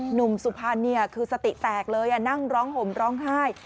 สุพรรณคือสติแตกเลยนั่งร้องห่มร้องไห้